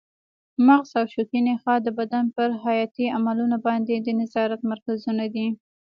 مغز او شوکي نخاع د بدن پر حیاتي عملونو باندې د نظارت مرکزونه دي.